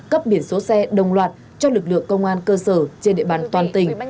cấp biển số xe đồng loạt cho lực lượng công an cơ sở trên địa bàn toàn tỉnh